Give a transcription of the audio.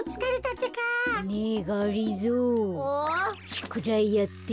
しゅくだいやってね。